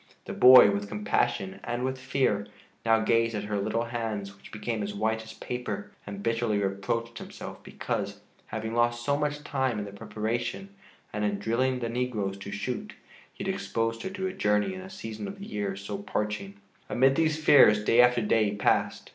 The boy, with compassion and with fear, now gazed at her little hands, which became as white as paper, and bitterly reproached himself because, having lost so much time in the preparation and in drilling the negroes to shoot, he had exposed her to a journey in a season of the year so parching. Amid these fears day after day passed.